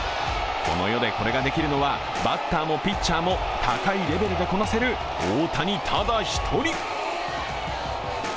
この世でこれができるのはバッターもピッチャーも高いレベルでこなせる大谷、ただ１人。